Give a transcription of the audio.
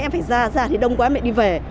em phải ra ra thì đông quá em lại đi về